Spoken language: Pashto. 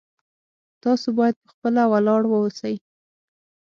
تاسو باید په خپله ولاړ اوسئ